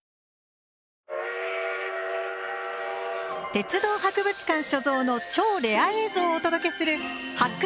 鉄道博物館所蔵の超レア映像をお届けする「発掘！